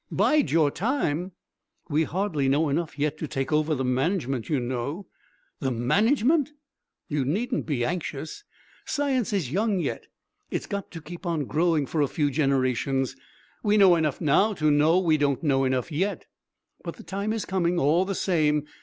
"Bide your time?" "We hardly know enough yet to take over the management, you know." "The management?" "You needn't be anxious. Science is young yet. It's got to keep on growing for a few generations. We know enough now to know we don't know enough yet.... But the time is coming, all the same.